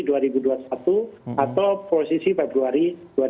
atau posisi februari dua ribu dua puluh